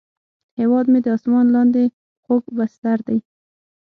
هیواد مې د اسمان لاندې خوږ بستر دی